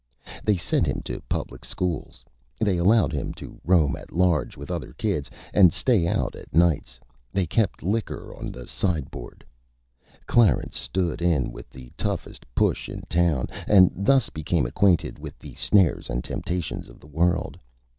They sent him to the Public Schools; they allowed him to roam at large with other Kids, and stay out at Nights; they kept Liquor on the Sideboard. [Illustration: CLARENCE] Clarence stood in with the Toughest Push in Town, and thus became acquainted with the Snares and Temptations of the World.